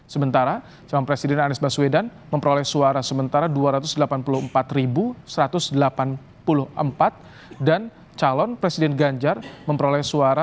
sementara calon presiden anies baswedan memperoleh suara sementara dua ratus delapan puluh empat satu ratus delapan puluh empat dan calon presiden ganjar memperoleh suara dua ratus delapan puluh empat satu ratus delapan puluh empat